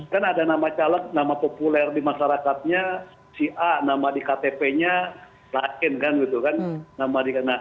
kan ada nama caleg nama populer di masyarakatnya si a nama di ktp nya rakyat kan gitu kan